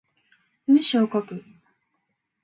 文章を書く